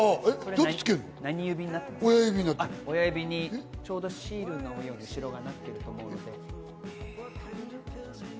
親指に、シールのように後ろがなってると思うので。